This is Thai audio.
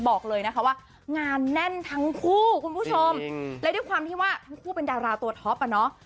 บอกเลยนะคะว่างานแน่นทั้งคู่คุณผู้ชมและด้วยความที่ว่าทั้งคู่เป็นดาราตัวท็อปอ่ะเนาะ